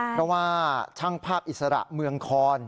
เพราะว่าช่างภาพอิสระเมืองคอน